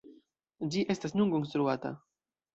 Ĝi estas nun konstruata.